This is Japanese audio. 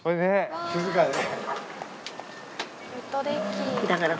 静かでね。